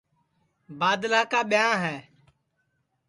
بادلا کا ٻیاں ہے